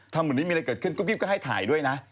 เหมือนนี้มีอะไรเกิดขึ้นกุ๊กกิ๊บก็ให้ถ่ายด้วยนะ